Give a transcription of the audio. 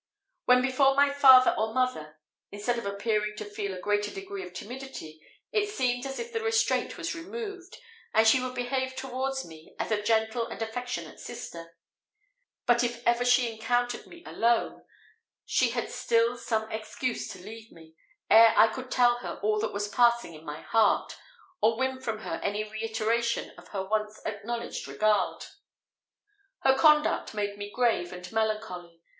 When before my father or mother, instead of appearing to feel a greater degree of timidity, it seemed as if the restraint was removed, and she would behave towards me as a gentle and affectionate sister; but if ever she encountered me alone, she had still some excuse to leave me, ere I could tell her all that was passing in my heart, or win from her any reiteration of her once acknowledged regard. Her conduct made me grave and melancholy.